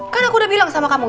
kan aku udah bilang sama kamu